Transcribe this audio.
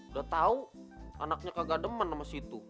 udah tahu anaknya kagak deman sama situ